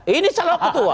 ini salah pak ketua